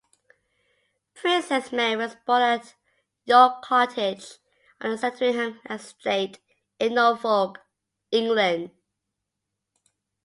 Princess Mary was born at York Cottage on the Sandringham Estate in Norfolk, England.